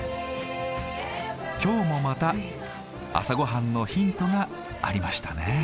今日もまた朝ごはんのヒントがありましたね。